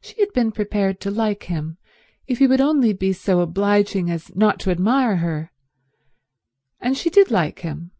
She had been prepared to like him if he would only be so obliging as not to admire her, and she did like him.